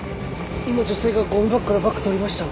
今女性がゴミ箱からバッグ取りました！